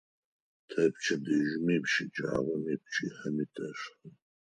Тэ пчэдыжьыми, щэджагъоми, пчыхьэми тэшхэ.